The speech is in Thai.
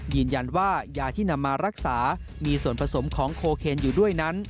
ยายาที่นำมารักษามีส่วนผสมของโคเคนอยู่ด้วยนั้น